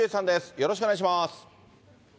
よろしくお願いします。